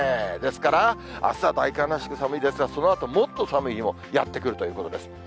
ですから、あすは大寒らしく寒いですが、そのあともっと寒い日もやって来るということです。